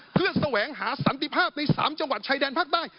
เพื่อแสวงหาสันติภาพใน๓จังหวัดชายแดนภาคใต้